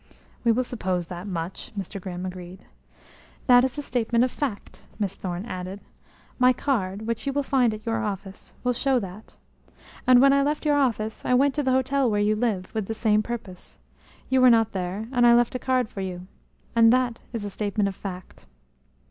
"We will suppose that much," Mr. Grimm agreed. "That is a statement of fact," Miss Thorne added. "My card, which you will find at your office, will show that. And when I left your office I went to the hotel where you live, with the same purpose. You were not there, and I left a card for you. And that is a statement of fact.